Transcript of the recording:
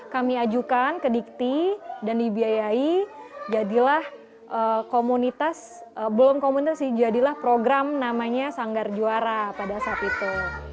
kami ajukan ke dikti dan dibiayai jadilah komunitas belum komunitas jadilah program namanya sanggar juara pada saat itu